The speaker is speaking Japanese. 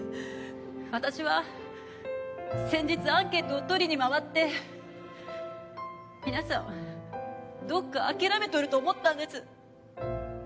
あたしは先日アンケートをとりに回って皆さんどっか諦めとると思ったんです。